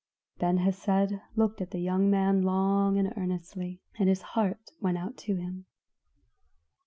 Ben Hesed looked at the young man long and earnestly, and his heart went out to him.